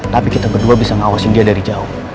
tapi kita berdua bisa ngawasin dia dari jauh